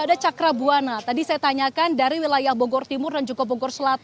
ini adalah bagian perkenalkan ingatan puesto ini yang kami berhasil reykjavik kita melihat